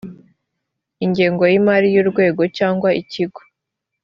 ingengo y imari y urwego cyangwa ikigo